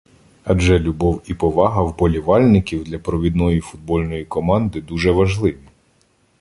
Адже любов і повага вболівальників для провідної футбольної команди дуже важливі.